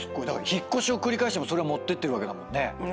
だから引っ越しを繰り返してもそれは持ってってるわけだもん。